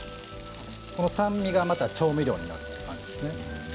この酸味がまた調味料になっていきますね。